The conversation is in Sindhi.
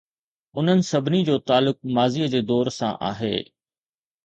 انهن سڀني جو تعلق ماضيءَ جي دور سان آهي.